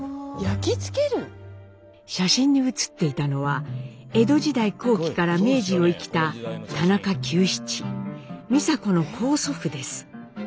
焼き付ける⁉写真に写っていたのは江戸時代後期から明治を生きた田中久七美佐子の高祖父です。